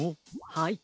はい。